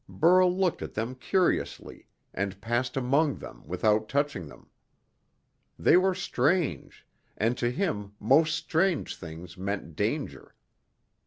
Burl looked at them curiously, and passed among them without touching them. They were strange, and to him most strange things meant danger.